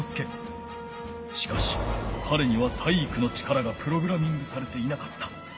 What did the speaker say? しかしかれには体育の力がプログラミングされていなかった。